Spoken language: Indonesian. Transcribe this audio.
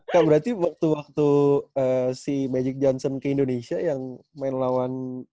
kak berarti waktu waktu si magic johnson ke indonesia yang main lawan